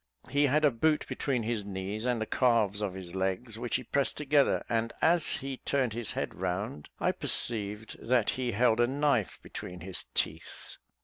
He had a boot between his knees and the calves of his legs, which he pressed together, and as he turned his head round, I perceived that he held a knife between his teeth.